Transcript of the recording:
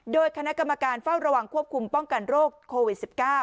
โดยคณะกรรมการเฝ้าระวังควบคุมป้องกันโรคโควิด๑๙